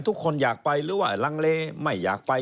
ทุกคนอยากไปหรือว่าลังเลไม่อยากไป